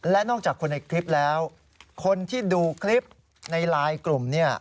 และนอกจากคนในคลิปแล้วคนที่ดูคลิปในไลน์กลุ่มเนี่ย